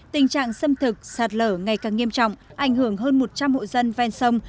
tình trạng xâm thực sạt lở ngày càng nghiêm trọng ảnh hưởng hơn một trăm linh hộ dân ven sông